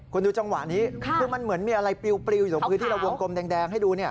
คุณดูจังหวะนี้คือมันเหมือนมีอะไรปลิวอยู่ตรงพื้นที่เราวงกลมแดงให้ดู